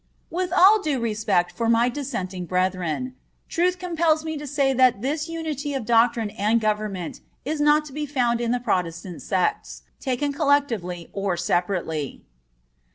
With all due respect for my dissenting brethren, truth compels me to say that this unity of doctrine and government is not to be found in the Protestant sects, taken collectively or separately.